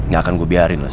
gak akan gue biarin loh sa